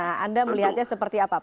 nah anda melihatnya seperti apa pak